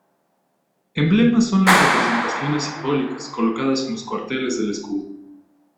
Emblemas son las representaciones simbólicas colocadas en los cuarteles del escudo.